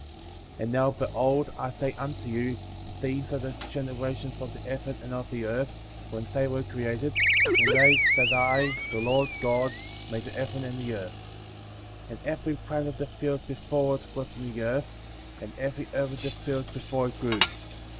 4. And now, behold, I say unto you, that these are the generations of the heaven and of the earth, when they were created, in the day that I, the Lord God, made the heaven and the earth. 5. And every plant of the field before it was in the earth, and every herb of the field before it grew.